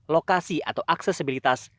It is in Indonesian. lokasi atau aksesibilitas